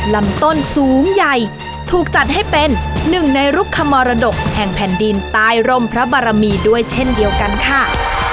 ลำต้นสูงใหญ่ถูกจัดให้เป็นหนึ่งในรุกขมรดกแห่งแผ่นดินใต้ร่มพระบารมีด้วยเช่นเดียวกันค่ะ